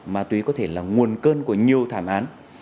ma túy có thể là nguồn cơn của nhiều thảm án